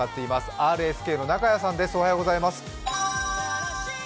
ＲＳＫの中屋さんです。